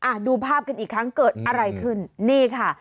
ดูภาพกันอีกครั้งเกิดอะไรขึ้นนี่ค่ะ